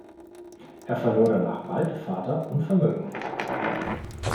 Er verlor danach bald Vater und Vermögen.